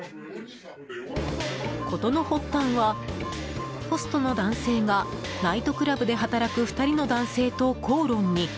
事の発端は、ホストの男性がナイトクラブで働く２人の男性と口論に。